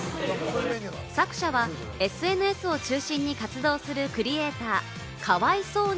作者はＳＮＳを中心に活動するクリエイター・「可哀想に！」